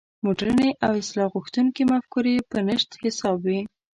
مډرنې او اصلاح غوښتونکې مفکورې په نشت حساب وې.